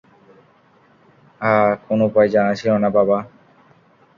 আএ কোন উপায় জানা ছিল না, বাবা।